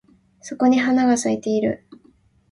そこに花が咲いてる